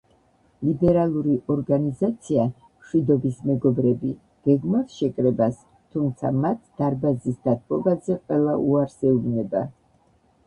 ლიბერალური ორგანიზაცია „მშვიდობის მეგობრები“ გეგმავს შეკრებას, თუმცა მათ დარბაზის დათმობაზე ყველა უარს ეუბნება.